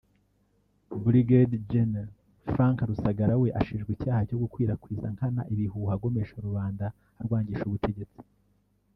Brig Gen Frank Rusagara we ashinjwa icyaha cyo gukwirakwiza nkana ibihuha agomesha rubanda arwangisha ubutegetsi